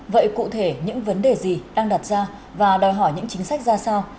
vậy cụ thể những vấn đề gì đang đặt ra và đòi hỏi những chính sách ra sao